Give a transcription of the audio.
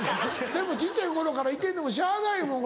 でも小ちゃい頃からいてんねんもんしゃあないもん。